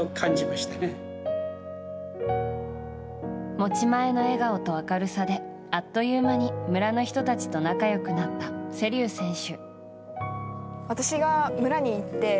持ち前の笑顔と明るさであっという間に村の人たちと仲良くなった瀬立選手。